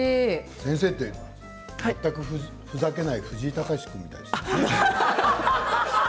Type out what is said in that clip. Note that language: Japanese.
先生って全くふざけない藤井隆君みたい